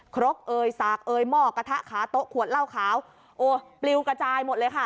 ครบเอยสากเอยหม้อกระทะขาโต๊ะขวดเหล้าขาวโอ้ปลิวกระจายหมดเลยค่ะ